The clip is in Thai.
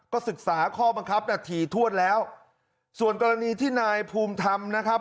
ก็ศึกษาข้อบังคับนาทีถ้วนแล้วส่วนกรณีที่นายภูมิธรรมนะครับ